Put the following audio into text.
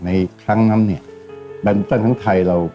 ในครั้งนั้นแบตนิตันทั้งไทยเรา